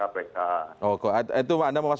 pada tgb kan diperiksa